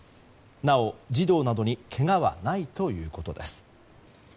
なお児童などにけがはないということです。